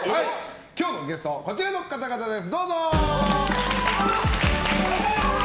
今日のゲストはこちらの方々ですどうぞ！